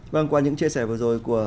vâng qua những chia sẻ vừa rồi của